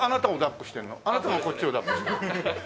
あなたがこっちを抱っこしてるの？